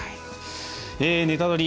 「ネタドリ！」